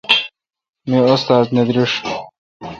می استاد نہ درݭ ۔